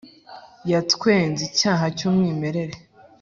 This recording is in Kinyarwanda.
yatwenze icyaha cy'umwimerere.